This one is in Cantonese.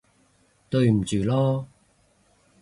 對唔住囉